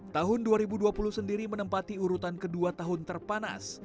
tahun dua ribu dua puluh sendiri menempati urutan kedua tahun terpanas